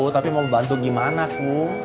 tapi mau bantu gimana ku